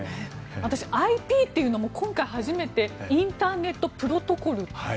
私、ＩＰというのも今回初めてインターネットプロトコル。